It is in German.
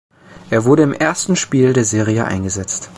Er wurde im ersten Spiel der Serie eingesetzt.